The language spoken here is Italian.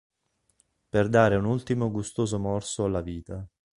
Per dare un ultimo gustoso morso alla vita.